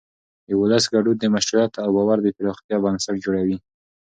د ولس ګډون د مشروعیت او باور د پراختیا بنسټ جوړوي